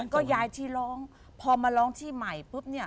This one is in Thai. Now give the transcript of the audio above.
ก็ย้ายที่ร้องพอมาร้องที่ใหม่